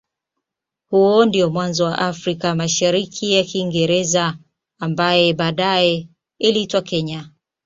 Huo ndio mwanzo wa Afrika ya Mashariki ya Kiingereza ambaye baadaye iliitwa Kenya.